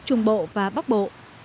trung bộ và bắc bộ